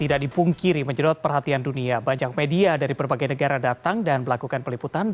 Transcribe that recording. apakah itu bisa dilakukan segera